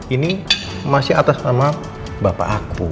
ini masih atas nama bapak aku